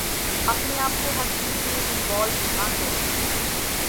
اپنے آپ کو ہر چیز میں انوالو نہ کریں